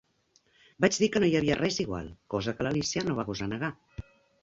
"Vaig dir que no hi havia res igual". Cosa que l'Alícia no va gosar negar.